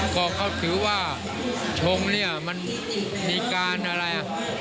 ก็เขาถือว่าชงเนี่ยมันมีการอะไรอ่ะ